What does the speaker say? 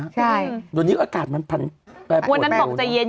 ใช่โดยนี้อากาศมันพันแปลปุ่นแปลปุ่นนะครับวันนั้นบอกจะเย็น